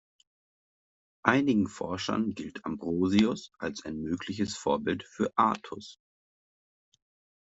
Einigen Forschern gilt Ambrosius als ein mögliches Vorbild für Artus.